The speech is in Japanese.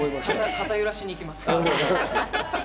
肩を揺らしに行きます。